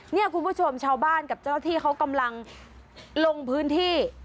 เนี่ยคุณผู้ชมชาวบ้านกับเจ้าหน้าที่เขากำลังลงพื้นที่